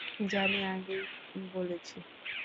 আমি আগেই বলেছি।